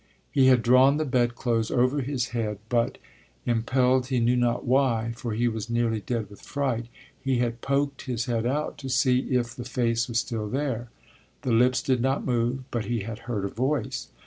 He had drawn the bed clothes over his head, but impelled he knew not why, for he was nearly dead with fright he had poked his head out to see if the face was still there. The lips did not move, but he had heard a voice.